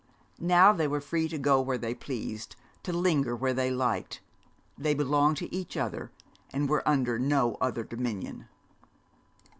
Now they were free to go where they pleased to linger where they liked they belonged to each other, and were under no other dominion.